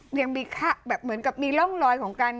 ยังมีแบบเหมือนกับมีร่องรอยของการ